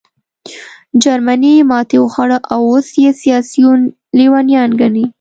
جرمني ماتې وخوړه او اوس یې سیاسیون لېونیان ګڼې